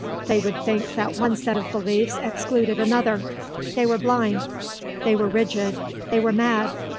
They would think that one set of beliefs excluded another; they were blind, they were rigid, they were mad.